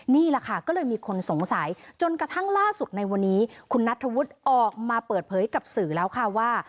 นี่แหละค่ะก็เลยมีคนสงสัยจนกระทั่งล่าสุดในวันนี้คุณนัทธวุฒิออกมาเปิดเผยกับสื่อแล้วค่ะว่า